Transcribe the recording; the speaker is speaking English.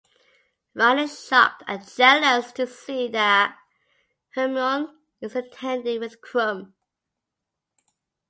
Ron is shocked and jealous to see that Hermione is attending with Krum.